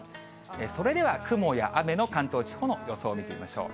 それでは雲や雨の関東地方の予想を見てみましょう。